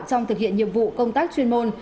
trong thực hiện nhiệm vụ công tác chuyên môn